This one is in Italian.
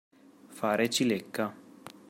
Fare cilecca.